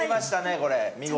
これ見事。